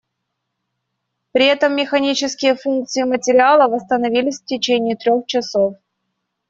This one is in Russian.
При этом механические функции материала восстановились в течение трёх часов.